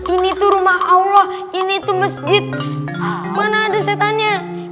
ini tuh rumah allah ini tuh masjid mana ada setannya